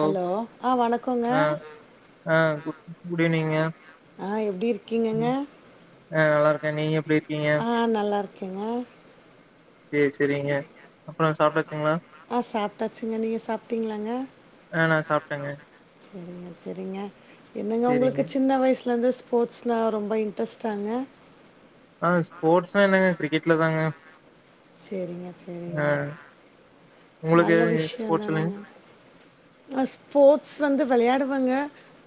Hello ஆ வணக்கோங்க ஆ ஆ குட் ஈவி்னிங்க ஆ எப்டி இருக்கீங்கங்க ஆ நல்லா இருக்கே நீங்க எப்டி இருக் ஆ நல்லா இருக் கேங்க சேர் செரிங்க அப்பறோ சாப்டாச் ஆ சாப்ட்டாச்சிங்க நீங்க சாப்ட்டீங்களாங்க ஆ நா சாப்ட்டேங்க செரிங்க செரிங்க என்னங்க உங்களுக்கு சேரிங்க சின்ன வயசு ல இருந்து ஸ்போர்ட்ஸ்ன்னா ரொம்ப இன்ட்ரெஸ்டாங்க ஆ ஸ்போட்ஸ்னா என்னகு க்ரிக்கெட்ல தாங்க செரிங்க ஆ செரிங்க உங்களுக்கு நல்ல விஷ்யோ ஸ்போர்ட்ஸ்லங்க தானங்க அ ஸ்போட்ஸ் வந்து வெள்யாடுவ் வங்க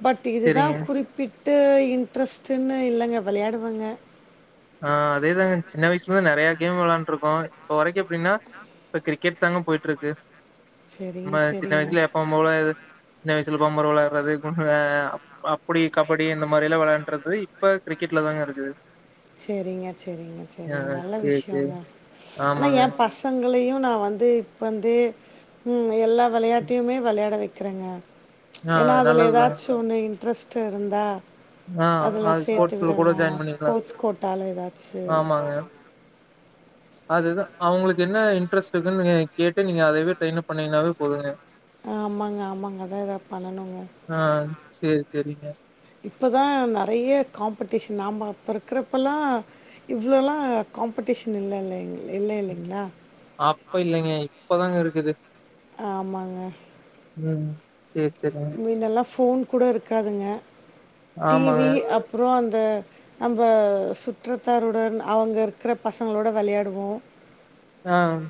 பட் இது தா சேரிங்க குறிப்பிட் ட்டு இன்ட்ரெஸ்ட்டுன்னு இல்லங்க விளையாடுவங்க ஆ அதேதாங்க சின்ன வய்சுல நெறையா கேம் விளையாண்ட்ருக்கோ போ வரைக்கி எப்டின்னா ப்ப க்ரிக்கெட் தாங்க போய்ட்ருக்கு சரிங்க அம்ம சிட்ட சரிங்க வய்ஜுல எப்ப மோலே இது சின்ன வய்சுல பம்பரோ விளையாறது குண்டு அஅ அப் அப்படி கபடி இந்த மாரில்லா விளையாண்றது இப்ப க்ரிக்கெட்ல தாங்க இருக்குது ச்செரிங்க ச்செரிங்க ஆ ச்செரிங்க நல்ல சேரி சேரி விஷ்யோங்க ஆனா ஏ ஆமாங்க பசங்களையு நா வந்து இப்பந்தே உம்அ எல்லா விளையட்டையுமே விளையாட வை கரங்க ஆ ஏன்னா அதுல நல்லதுதாங்க. ஏதாச்சு ஒன்னெய் ட்ரஸ்ட்டு இருந்தா ஆ அதுல அது ஸ்போட்ஸுல கூட ஜாயான் பண்ணிக்லா கால்ல எதாச்சு அதுதா அவுங்களுக்கு என்ன இன்ட்ரெஸ்ட் க்கு கேட்டு நீங்க அதேவே ட்ரெயின் பண்ணீங்கனாவே போதுங்க ஆமாங்க ஆமாங்கான் அதா ஏதா பண்ணனும்ங்க சேரி சேரிங்க இப்போ தா நறைய காம்படிஷன் நாம் ம அப்போ இருக்கிறப்பலாம் இவ்வளோலாம் காம்படிஷன் இல்ல இல்லைங் இல்ல இல்லைங்களா அப்போ இல்லைங்க இப்பதாங்க இருக்குது ஆமாங்க ம் சேரி சேரிங்க முன்னெல்லாம் ஃபோன் கூட இருக்காதுங்க ஆமாங்க. டிவி அப்றோ அந் த நம்ப சுற்றத்தாருடன் அவங்க இருக்கிற பசங்களோட வெளையாடுவோம் ஆஹ்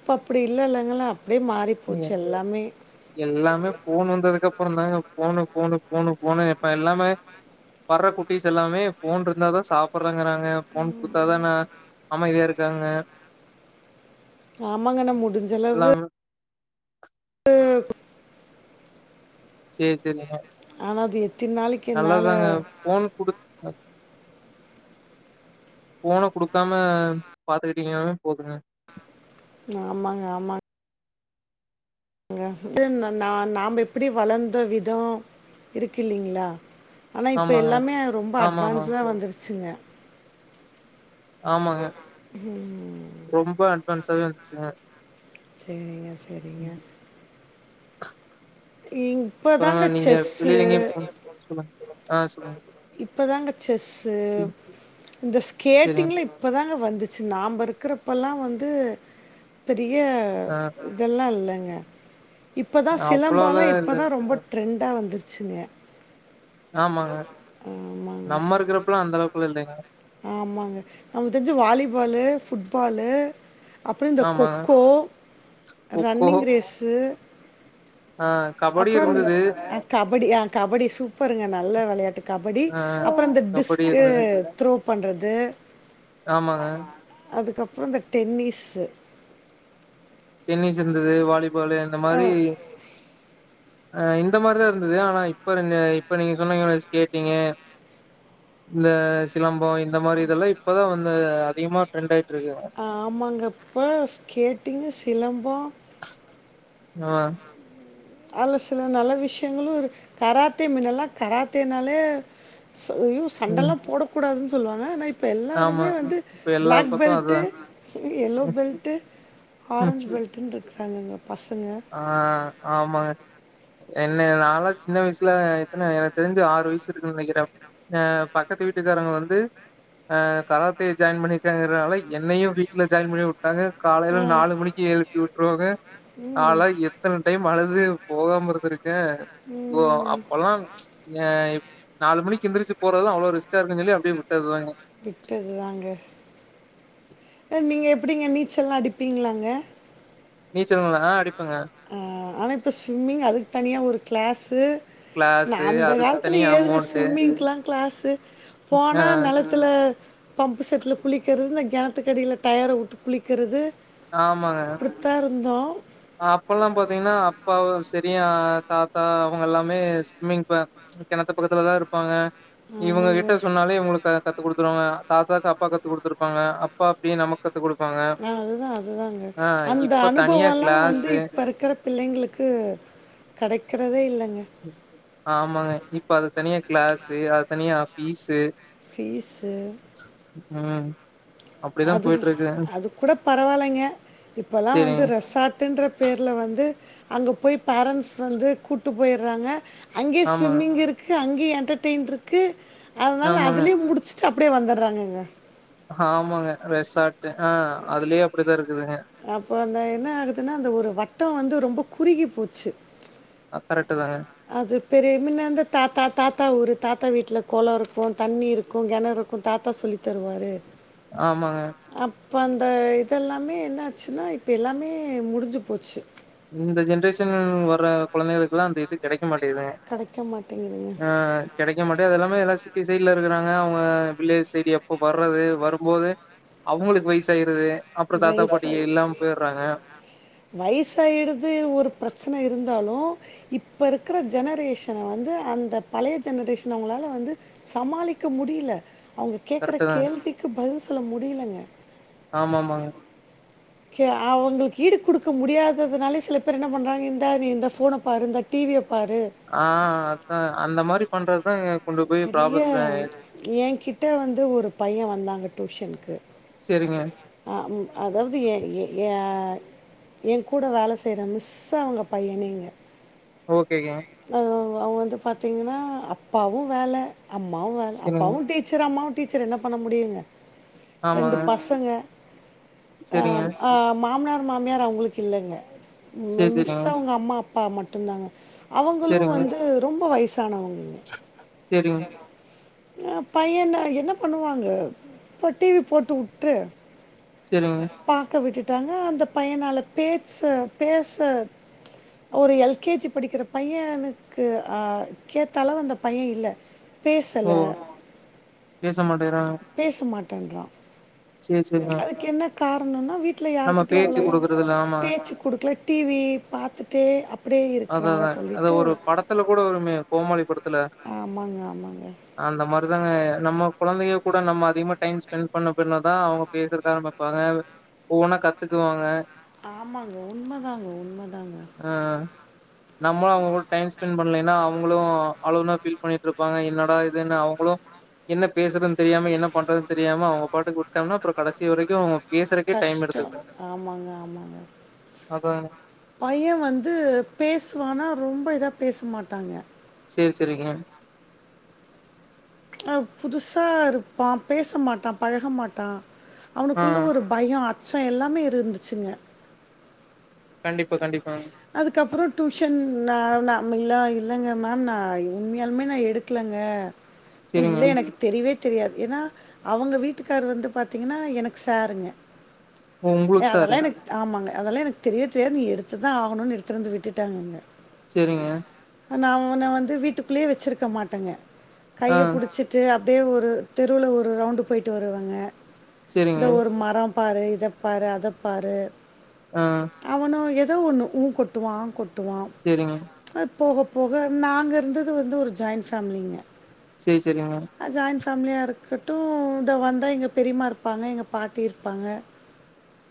இப்போ அப்டி இல்ல இல்லைங்களா அப்படியே மாறி போச்சு எல்லாமே எல்லாமே போன் வந்ததுக்க கப்பறந்தாங்க போனு போனு போனு போனு இப்ப எல்லாமே வர்ற குட்டீஸ் எல்லாமே போன் இருந்தா தா சாப்புட்றாங்கிறாங்க நாங்க போன் குடுத்தாதா நா அமைதியா இரு க்காங்க ஆமாங்க நா முடிஞ்சளவு து சேரி சேரிங்க ஆனால் அது எத்தனை நாளைக்கு என்னால் நல்லாதாங்க போன் குடுத் போனை குடுக்காம பாத்துக்கிட்டீங்கனாலே போதுங்க ஆமாங்க ஆமாங்க வந்த நாம எப்டி வளர்ந்த விதம் இருக்கு இல்லலைங்களா ஆனா இப்ப ஆமாங்க, எல்லாமே ரொம்ப ஆமா, அட்வான்ஸ் ஆமாங்க, வா வந்துருச் ச்சிங்க ஆமாங்க ரொம்ப அட்வான்ஸ் ச வந்துச்சிங்க செரிங்க செரிங்க அப்புறம் இப்பதாங்க நீங்க செஸ்ஸு வெளில எங்கயும் போ சொல்லுங்க. ஆ சொல்லுங் பதாங்க செஸ்ஸு இந்த சரிங்க. ஸ்கேட்டிங்ல இப்பதாங்க வந் துச்சு நாம்ப இருக்கறப்பல்லா வந்து பெரிய ஆ இதெல்லா இல்ல. ஆ இப்பதா சிலம்போலா அவ்ளோலாம் இல்ல. இப்பதா ரொம்ப அ ட்ரெண்டா வந்துரு ச்சுங்க ஆமாங்க. ஆமாங்க நம்ம இருக்கிறப்பலாம் அந்த அளவுக்குலாம் இல்லைங்க. ஆமாங்க நமக்கு தெரிஞ்சு வாலிபாலு ஃபுட் பாலு அப்றோ இந்த ஆமாங்க. கொக்கோ கொக்கோ, ரன்னிங் ரேஸு ஆ கபடி அப்றோ இருந்தது. கபடி ஆஹ் கபடி சூப்பர்ங்க. நல்ல விளையாட்டு கபடி ஆ அப்றோ இந்த கபடி டிஸ்கு இருந்தது. த்ரோ பண்றது ஆமாங்க. அதுக்கப் ப்றோ இந்த டென்னிஸு டென்னிஸ் இருந்தது வாலி பாலு இந்த மாரி அ இந்த மாரிதா இருந்தது ஆனா இப்பரங்க இப்ப நீங்க சொன்னீங்கல ஸ்கேட்டிங்கு இந்த சிலம் போ இந்த மாரி இதெல்லா இப்பதா வந்து அதிகமா ட்ரெண்டாய் ஆமாங்கப்ப ஸ்கேட்டீங்கு சிலம் போ ஆஹ் ஆலா சில நல்ல விஷ்யங்களு இரு கராத்தே மீன்னெல்லா கராத்தேனாலே ஐயோ ம் சண்டல்லா போடக்கூடாதுன் சொல்வாங்க ஆனா இப் ப ஆமா எல்லாருமே வந்து இப்ப எல்லா பிளாக் பக்கம் அதா பெல்டு, எல்லோ பெல்டு, ஆரஞ் பெல்டுனு இருக் காங்ககோ ஆஹ் ஆமாங்க என்ன நாலா சின்ன வயசுல எத்தன எனக்கு தெருஞ்சு ஆறு வயசு இருக்குன் நெனைக்கற. அஹ் பக்கத்து வீட்டுக்காரங்க வந்து அஹ் கராத்தே ஜாயின் பண்ணிக்காங்கறனால என்னயு வீட்ல ஜாயின் பண்ணிவுட்டாங்க. காலைல நாலு மணிக்கு எழுப்பி உட்டுருவாங்க ம், நாலா எத்தன டைம் அழுது போகாம இருந்திருக் கே ஒ ம், அப்பல்லா எ நாலு மணிக்கெந்திரிச்சு போறதெல்லா அவ்ளோ ரிஸ்க்கா இருக்குஞ்சொல்லி அப்டியே உட்டத்தாங்க. விட்டது தாங்க நீச்சல்லா அடிப்பீங்ளாங்க நீச்சல் [unintelligible] ஆ அடிப் ஆ ஆனா இப்ப சும்மிங் அதுக் தனியா ஒரு கிளாஸு நா கிளாஸு அந்த அதுக்கு காலத்துல தனியா ஏதுங்க அமௌண்ட்டு சும்மிங்க்லா கிளாஸ்ஸு ஆ போனா நெலத்துல பம்பு செட்ல குளிக்கறது கெணத்துக்கடில டயர உட்டு குளிக்கறது ஆமாங்க இப்பல்லா பாத்தீங்ன்னா அப்பா செரியா அ தாத்தா அவுங்கெல்லாமே சும்மிங் ப கெணத்து பக்கத்துல தா இருப்பாங்க இவுங்கக் ஆமாங்க கிட்ட சொன்னாலே இவுங்ளுக்கு கத்து குடு [unintelligible] தாதாக்கு அப்பா கத்து குடுத்துருப்பாங்க அப்பாக்கு நம்மக் த்து குடுப்பாங்க அது தாங்க அந்த இப்ப தனியா அனுபவோல்லா வந்து கிளாஸு இப்பருக்கற பிள்ளைங்ளுக்கு கடைக்குறதே இல்லங்க ஆமாங்க ஆ ஃபீஸு ஃபீஸு ம் அப்டிதா அதுக்கு போயிட்ருக்கு அதுக் கூட பரவால் இல்லல்ல இப்பல்லா வந்து சேரிங்க ரெஸ்சாட்டுன்றத் பேர்ல வந்து அங்க போய் பேரன்ட்ஸ் வந்து கூட்டு போய்றாங்க அங்கே ஆமாங்க ஸ்விம்மிங்கிருக்கு அங்கே என்டர்டைன்ட்றுக்கு அனால ஆமாங்க அதுலே முடுச் ச்சு அப்டே வந்தர்றாங்கங்க ஆமாங்க ரெஸ்சார்ட்டு ஆ அதுலே அப்டிதாருக் அப்போ அந்த என்ன ஆகுதுன்னா அந்த ஒரு வட்டோ வந்து ரொம்போ குறிகி போச்சு கரெட்டு தாங்க அது பெரியமின்ன அந்த தாத்தா தாத்தா ஊரு தாத்தா வீட்ல கொளோருக்கோ தண்ணிருக்கோ கெணருக்கோ தாத்தா சொல்லி தருவாரு ஆமாங்க ப்பந்த இதெல்லாமே என்னாச்சுன்னா இப்பெல்லாமே முடிஞ்சு போச்சு இந்த ஜென்ரேஷன் வர கொழந்தைகளுக்கெல்லா அந்த இது கட மாட்டேங்துங்க கிடைக்க மாட்டேங்குதுங்க அ கெடைக்க மாட்டே அதெல்லாமே எல்லா சிட்டி சைல்லருக்கற அது அவ்ங்க வில்லேஜ்சைடு எப்போ வர்றது வரும்போது அவுங்களுக் வய்சாய்ருது அப்றோ தாத்தா பாட்டி வயசாயி எல்லா போயிர்றாங்க சாயிடுது ஒரு ப்ரச்சன இருந்தாலு இப்பருக்கற ஜெனரேஷன் வந்து அந்த பழைய ஜெனரேஷன் அவுங்களால வந்து சமாளிக்க முடில்ல அவுங்க கேக்கற கரெக்ட்டு தாங்க. கேள்விக்கு பதில் சொல்ல முடிலங்க ஆமாமாங்க கெ அவுங்ளுக்கு ஈடு குடுக்க முடியாததுனால சில பேர் என்ன பண்றாங்க இந்தாரி இந்த ஃபோன பாரு இந்த டி விய ஆ அத்தா அந்த மாரி பண்ற தாங்க பெரிய ஏ கிட்ட வந்து ஒரு பைய வந்தாங்க டியூஷன்கு சரிங்க. ஆ அதாவது எ எ ஏ [unintelligible] எங்கூட வேல செய்ற மிஸ்ஸு அவுங்க பையனேங்க ஓகேகங்க அவ வந்து பாத்தீங்கனா அப்பாவு வேல அம்மாவு வேல சரிங்க. அப்பாவு டீச்சர் அம்மாவு டீச்சர் என்ன பண்ண முடியுங்க ரெண்டு ஆமாங்க. பசங்க சரிங்க. அஹ் ஆஹ் மாமனார் மாமியார் அவுங்களுக் இல்லங்க சரி, உம் மிஸ் சரிங்க. அவுங்க அம்மா அப் ப்பா மட்டுந்தாங்க அவுங்களு சரிங்க, வந்து ரொம்ப வயசு சானவங்க சரிங்க, [unintelligible] அ பையன என்ன பண்ணுவாங்க இப்ப டி வி போட்டுவுட்டு சரிங்க. பாக்க விட்டுட் டாங்க அந்த பையனால பேச பேச ச் ஒரு எல் கே ஜி படிக்கிற பையனுக்கு அ கேத்தளவ் அந்த பைய இல்ல ஓ பேச மாட்டேறா டேன்றா அதுக்கென்ன காரணொனா வீட் ட்ல நம்ம யாருகிட்டயு பேச்சு அவ்ளவா குடுக்குறதில்ல. ஆமா. பேச்சு குடுக்ல டி வி பாத்துட்டே அப் அததா அத ஒரு படத்துல கூட வருமே கோமாளிபடத் துல ஆமாங்க ஆமாங்க அந்த மாரிதாங்க நம்ம கொழந்தைக கூட நம்ம அதிகமா டைம் ஸ்பெண்ட் பண்ண பண்ணதான் அவுங்க பேசறத ஆரம்பிப்பாங்க ஒவ்வொன்னா கத்துக்குவாங்க ஆமாங்க உண்ம தாங்க உண்ம தாங்க நம்ம அவுங்க கூட டைம் ஸ்பெண்ட் பண்லைன்னா அவுங் அவுங்களும் அழுவுனா ஃபீல் பண்ணிட்டு இருப்பாங்க என்னடா இதுன்னு அவுங்களும் என்ன பேசுறதுன் தெரியாம என்ன பண்றது தெரியாம அவங்க பாட்டுக்கு விட்டம்னா அப்புறொ கடைசி வரைக்கு அவுங்க கஷ்டொ ஆமாங்க ஆமாங்க அப்ப பைய வந்து பேசுவானா ரொம்ப இதா பேச மாட்டாங்க சேரி செரிங்க அஹ் புதுசா இருப்பா பேச மாட்டா பழக மாட்டா ஆ. அவனுக்குள்ள ஒரு பயொ அ சோ எல்லாமே இருந்துச்சுங்க கண்டிப்பா கண்டிப்பா அதுக்கப்புறொ டியூஷன் நா நாமல்லா இல்லைங்க மேம் நா உண்மையாலுமே நா எடுக்கலங்க சரிங்க. இல்ல எனக்கு தெரியவே தெரியாது ஏன்னா அவங்க வீட்டுக்காரர் வந்து பாத்தீங்கன்னா எனக்கு சாருங்க ஓ எ உங்களுக்கு அதெல்லா சாரு. எனக்கு ஆமாங்க அதெல்லா எனக்கு தெரியவே தெரியாது நீ எடுத்து தா ஆகணுனு எடுத்திருந்து விட்டுவிட்டாங்கங்க சரிங்க ஆனா அவங்கன வந்து வீட்டுக்குள்ளேயே வெச்சுருக்க மாட்டேங்க ஆ. கைய புடிச்சிட்டு அப் டியே ஒரு தெருவுல ஒரு ரவுண்டு போய்டு வருவேங்க சரிங்க. இதோ ஒரு மரம் பாரு இதப் பாரு அதப் பாரு ஆ. அவனு எ தோ ஒன்னு ஊ கொட்டுவா ஆஹ் கொட் டுவா சரிங்க. அ போக போக நாங்க இருந்தது வந்து ஒரு ஜாயிண்ட் ஃபேமிலிங்க செரி செரிங்க ஃபேமிலிய இருக்கட்டு இதோ வந்தா எங்க பெரிம்மா இருப்பாங்க எங்க பாட்டி இருப்பாங்க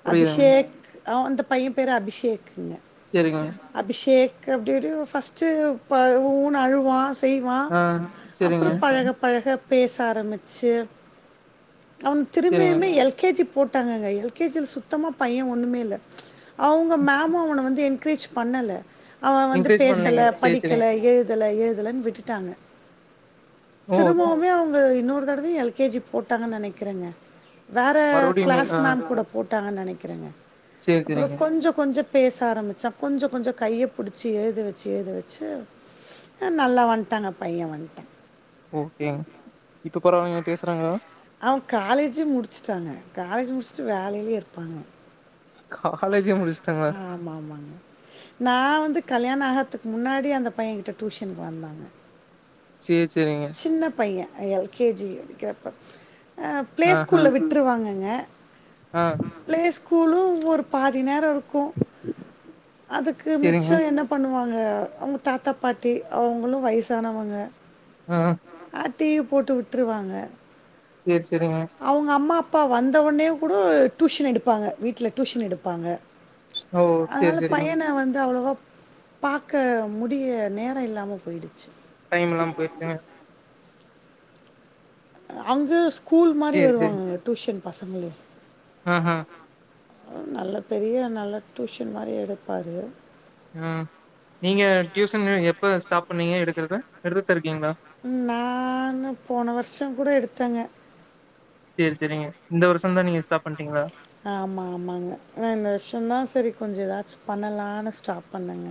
புரியுதுங்க. அபிஷேக் அ அந்த பைய பேர் அபிஷேக் குங்க சேரிங்க. அபிஷேக் கு அப்டி எப்டியொ ஃபஸ்ட்டு ப ஊ ஊன்னு அழுவா செய்வா ஆ சேரிங்க, அப்றொ பழக பழக பேச ஆரம்பிச்சு அவன் சேரிங்க. திரும்பியுமே எல் கே ஜி போட்டாங்கங்க எல்கேஜியில சுத்தமா பைய ஒண்ணுமே இல்ல அவுங்க மேம் அவனை வந்து என்கரேஜ் பண்ணல அவன் வந்து என்கரேஜ் பேசல பண்ணலைங்க. சேரி படிக்கல சேரிங்க. எழு எழுதல எழுதலன்னு விட்டுட்டாங்க ஓ! திரும்பவுமே அவங்க இன்னொரு தடவையும் எல்கேஜி போட்டாங்கன்னு நெனைக்கிறேங்க வேற மறுபடியுமே கிளாஸ் ஆ மேம் கூட போட் விட்டாங்க நா நெனைக்கிறங்க சேரி அப்பற சேரிங்க. கொஞ்சம் கொஞ்சம் பேச ஆரம்பிச்ச கொஞ்ச கொஞ்ச கையை புடிச்சி எழுத வச்சு எழுத வச்சு நல்லா வந்துடாங்க பைய வந்டா ஓகே இப்ப பரவால்ல பேசுறாங்களா அவ காலேஜ முடிச்சுட்டாங்க காலேஜ் முடிச்சுட்டு வேலையிலே இருப்பாங்க காலேஜே முடுச் ஆமா ஆமாங்க நா வந்து கல்யாண ஆகத்துக் முன்னாடியே அந்த பையன் கிட்ட டியூஷனுக்கு வந்தாங்க சேரி சேரிங்க. சின்ன பைய அ எல் கே ஜி படிக்கிறப்ப அ ப்ளே ஆஹா. ஸ்கூல்ல விட்ருவாங்க ங்க ஆ ப்லேஸ் ஸ்கூலும் ஒரு பாதி நேரோ இருக்கும் அதுக்கு சேரிங்க. மிச்சோ என்ன பண்ணுவா துங்க அவுங்க தாத்தா பாட்டி அவுங்களு வயிசானவங்க அ அ அ டி வி போட்டு விட்ருவாங்க சேர் ஸ் அவுங்க அம்மா அப் ப்பா வந்த ஒட்னே கூடோ டியூஷன் எடுப்பாங்க வீட்ல டியூஷன் எடுப்பாங்க ஓ! சேரி அதனால சேரிங்க. பையன வந்து அவ்ளவாப் பாக்க முடிய நேர இல்லாம போயிடுச் டைமில்லாம போயிருச்சுங்க அங்குஸ் ஸகூல் மாரி சேரி சேரி. வருவாங்கங்க டூஷன் பசங்களு ஆஹா நல்ல பெரிய நல்ல டூஷன் மாரி எடுப்பாரு ம் நீங்க ட்யூசன்னு எப்ப ஸ்டாப் பண்ணீங்க எடுக்கற எடுத்துட்தா இருக்கீங்ளா நானு போன வர்ஷம் கூட எடுத்தேங்க செரி செரிங்க இந்த வருஷந்தா நீங்க ஸ்டாப் பண்ட்டீங்ளா ஆமா ஆமாங்க நா இந்த வர்ஷொந்தா செரி கொஞ்சொ எதாச்சு பண்ணலான்னு ஸ்டாப் பண்ணங்க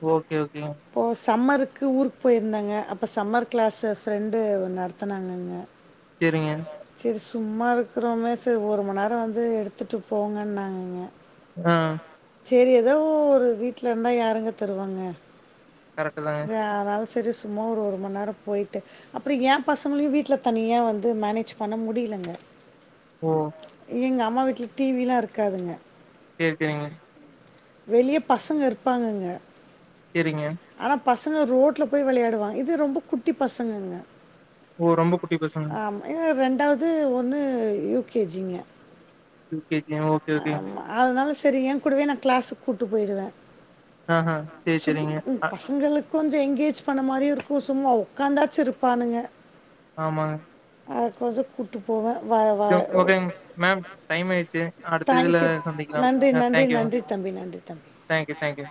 ஓ இப்போ சம்மரு க்கு ஊருக் போயிருந்தங்க அப்ப சம்மர் க்ளாஸு ஃப்ரெண்டு நடத்தனாங்கங்க செரிங்க சும்மா இருக்குறோமே செரி ஒரு மண்நேர வந்து எடுத்துட்டு போங்க நாங்கங்க ஆஹ் சேரி ஏதோ ஒரு வீட்ல இருந்தா யாருங்க தருவாங்க கரெக்ட்டு தாங்க. வே [unintelligible] செரி சும்மா ஒரு ஒரு மண்நேரம் போயிட்டு அப்ற என் பசங்களையும் வீட்ல தனியா வந்து மேனேஜ் பண்ண முடியலங்க ஓ எங்க அம்மா வீட்ல டிவிலா இருக்காதுங்க சேர் செரிங்க வெளிய பசங்க இருப்பாங்கங்க செரிங்க ஆனால் பசங்க ரோட்ல போய் வெளையாடுவா இது ரொம்ப குட்டி பசங்கங்க ஓ ரொம்ப குட்டி பசங்க ஆமாம் ஏன்னா ரெண்டாவது ஒன்னு யூகேஜிங்க ம் ஆமா அதனால சரி ஏன் கூடவே நா க்ளாஸுக் கூட்டு போயிடுவே ஆஹ்ஹ சேரி செரிங்க கொஞ்சொ எங்கேஜ் பண்ண மாரியு இருக்கு சும்மா உக்காந்தாச்சு இருப்பானுங்க ஆமாங்க அது கொஞ்சொ கூட்டு போவே செ ஓகே மேம் டைம் ஆயிட்ச்சு அடு தேங்க்யூ நன்றி நன்றி நன்றி தம்பி நன்றி தம்பி தேங்க்யூ தேங்க்யூ.